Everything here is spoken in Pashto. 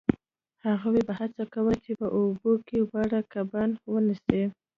هغوی به هڅه کوله چې په اوبو کې واړه کبان ونیسي